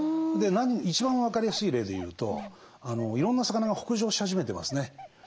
一番分かりやすい例で言うといろんな魚が北上し始めてますね。